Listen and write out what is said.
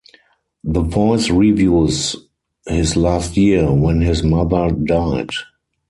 The voice reviews his last year, when his mother died.